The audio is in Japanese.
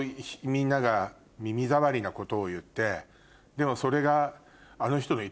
でもそれが。